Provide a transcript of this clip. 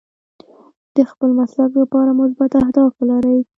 د خپل مسلک لپاره مثبت اهداف ولرئ.